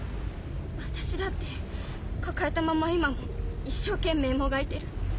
私だって抱えたまま今も一生懸命もがいてる。